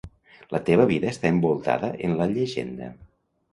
La teva vida està envoltada en la llegenda.